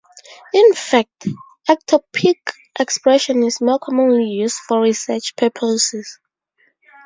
In fact, ectopic expression is more commonly used for research purposes.